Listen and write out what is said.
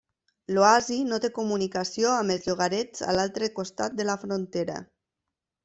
L'oasi no té comunicació amb els llogarets a l'altre costat de la frontera.